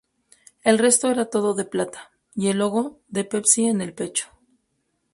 El resto era todo de plata, y el logo de Pepsi en el pecho.